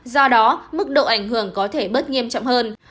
do đó mức độ ảnh hưởng có thể bớt nghiêm trọng hơn